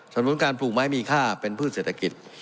นุนการปลูกไม้มีค่าเป็นพืชเศรษฐกิจ